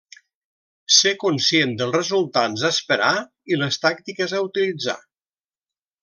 Ser conscient dels resultats a esperar i les tàctiques a utilitzar.